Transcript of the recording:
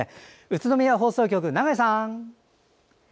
宇都宮放送局の長井さん。